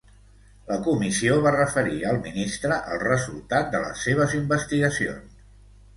La comissió va referir al ministre el resultat de les seves investigacions.